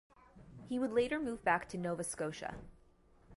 He would later move back to Nova Scotia.